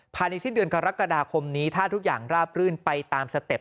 ภายในสิ้นเดือนกรกฎาคมนี้ถ้าทุกอย่างราบรื่นไปตามสเต็ป